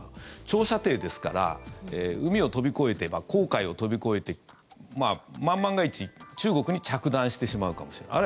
長射程ですから、海を飛び越えて黄海を飛び越えて万万が一、中国に着弾してしまうかもしれない。